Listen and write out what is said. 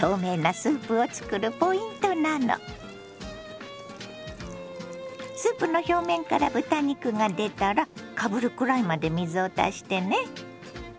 スープの表面から豚肉が出たらかぶるくらいまで水を足してね。